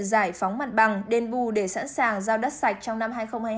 giải phóng mặt bằng đền bù để sẵn sàng giao đất sạch trong năm hai nghìn hai mươi hai